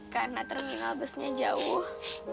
karena terminal busnya jauh